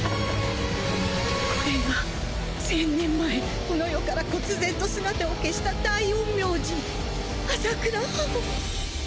これが１０００年前この世からこつ然と姿を消した大陰陽師麻倉葉王